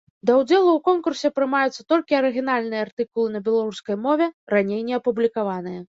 Да ўдзелу ў конкурсе прымаюцца толькі арыгінальныя артыкулы на беларускай мове, раней не апублікаваныя.